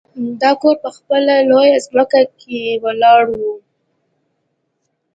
دا کور په خپله لویه ځمکه کې ولاړ و